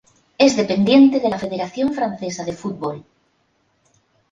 Es dependiente de la Federación Francesa de Fútbol.